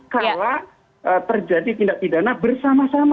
kalau terjadi tindak pidana bersama sama